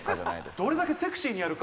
どれだけセクシーにやるか。